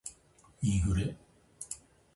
インフレ